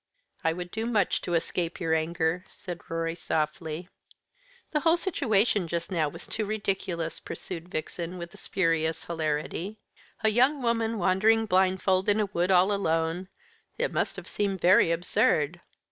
"I would do much to escape your anger," said Rorie softly. "The whole situation just now was too ridiculous," pursued Vixen, with a spurious hilarity. "A young woman wandering blindfold in a wood all alone it must have seemed very absurd."